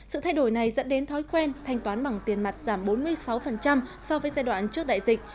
sự thay đổi này dẫn đến thói quen thanh toán bằng tiền mặt giảm bốn mươi sáu so với giai đoạn trước đại dịch